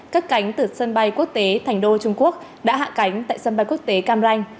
các cánh từ sân bay quốc tế thành đô trung quốc đã hạ cánh tại sân bay quốc tế cam ranh